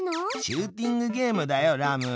シューティングゲームだよラム。